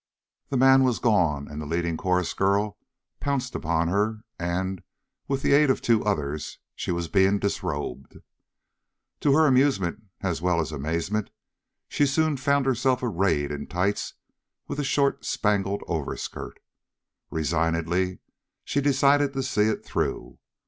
The man was gone and the leading chorus girl pounced upon her and, with the aid of two others, she was being disrobed. To her amusement as well as amazement, she soon found herself arrayed in tights with a short spangled overskirt. Resignedly she decided to see it through.